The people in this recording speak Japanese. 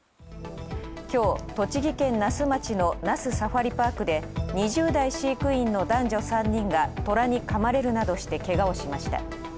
今日、栃木県那須町の那須サファリパークで２０代飼育員の男女３人がトラにかまれるなどしてケガをしました。